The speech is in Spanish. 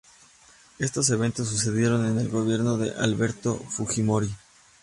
Estos eventos sucedieron en el gobierno de Alberto Fujimori.